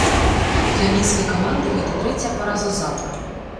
Для мінскай каманды гэта трэцяя параза запар.